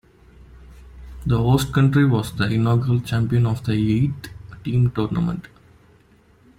The host country was the inaugural champion of the eight-team tournament.